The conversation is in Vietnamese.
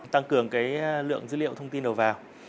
tăng cường lượng dữ liệu thông tin đầu vào